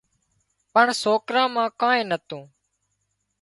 پڻ سوڪرا مان ڪانين نتون